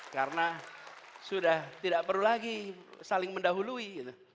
karena sudah tidak perlu lagi saling mendahului